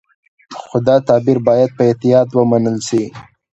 خو دا تعبیر باید په احتیاط ومنل شي.